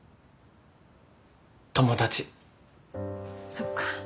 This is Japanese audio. そっか。